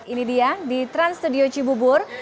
ini dia di trans studio cibubur